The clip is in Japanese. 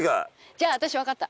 じゃあ私わかった。